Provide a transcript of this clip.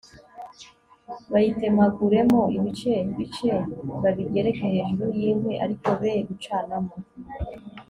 bayitemaguremo ibice ibice babigereke hejuru yinkwi ariko be gucanamo